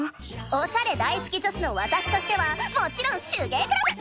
おしゃれ大好き女子のわたしとしてはもちろん手芸クラブ！